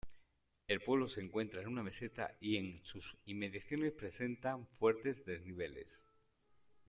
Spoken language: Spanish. El pueblo se encuentra en una meseta, y en sus inmediaciones presenta fuertes desniveles.